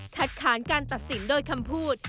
ค้านการตัดสินโดยคำพูด